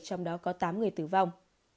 trong đó có tám người tử vong